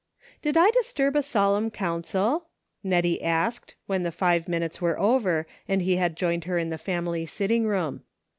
" Did I disturb a solemn council ?" Nettie asked, when the five minutes were over, and he had joined her in the family sitting room.